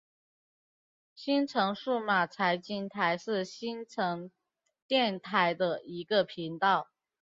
新城数码财经台是新城电台的一个频道。